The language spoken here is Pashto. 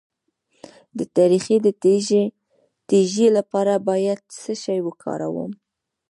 د تریخي د تیږې لپاره باید څه شی وکاروم؟